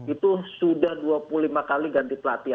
itu sudah dua puluh lima kali ganti pelatih